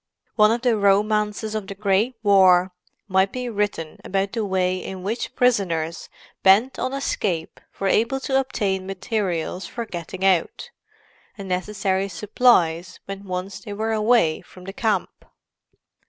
One of the romances of the Great War might be written about the way in which prisoners bent on escape were able to obtain materials for getting out, and necessary supplies when once they were away from the camp.